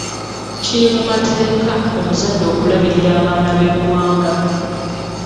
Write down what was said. Kiri mu mateeka omuzadde okulabirira abaana b'eggwanga.